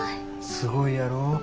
すごいやろ。